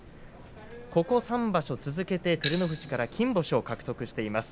ここ３場所、続けて照ノ富士から金星を獲得しています。